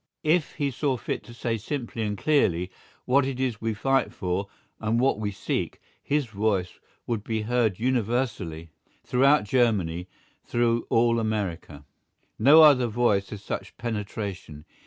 If he saw fit to say simply and clearly what it is we fight for and what we seek, his voice would be heard universally, through Germany, through all America. No other voice has such penetration.